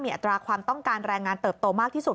อัตราความต้องการแรงงานเติบโตมากที่สุด